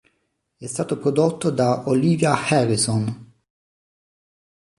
È stato prodotto da Olivia Harrison.